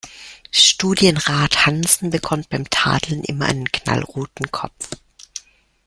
Studienrat Hansen bekommt beim Tadeln immer einen knallroten Kopf.